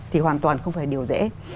thì hoàn toàn không phải điều dễ